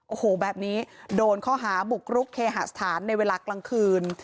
โอ้โหแบบนี้โดนข้อหาบุกรุกเคหสถานในเวลากลางคืน